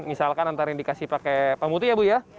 misalkan antara yang dikasih pakai pemutih ya bu ya